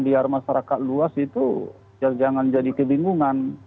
biar masyarakat luas itu jangan jadi kebingungan